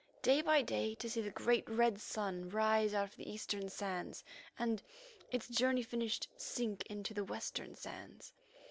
Day by day to see the great red sun rise out of the eastern sands, and, its journey finished, sink into the western sands.